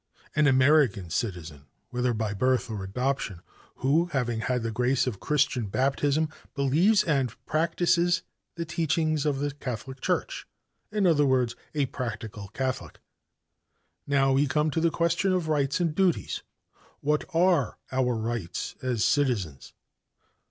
An American citizen, whether by birth or adoption, who, having had the grace of Christian baptism, believes and practices the teachings of the Catholic Church in other words a practical Catholic. Now we come to the question of 'rights and duties.' What are our rights as citizens?